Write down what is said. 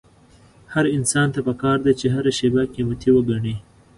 هر انسان ته پکار ده چې هره شېبه قيمتي وګڼي.